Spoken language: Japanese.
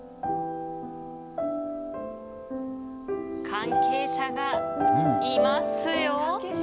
関係者がいますよ。